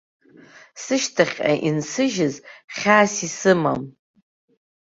Сышьҭахьҟа инсыжьыз хьаас исымам.